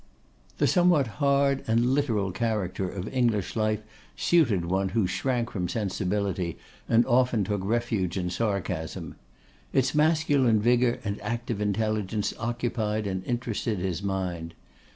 The somewhat hard and literal character of English life suited one who shrank from sensibility, and often took refuge in sarcasm. Its masculine vigour and active intelligence occupied and interested his mind.